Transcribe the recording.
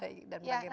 waspadai dan bagaimana